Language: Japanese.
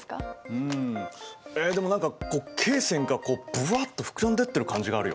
うんえっでも何かこう経線がブワッと膨らんでってる感じがあるよ。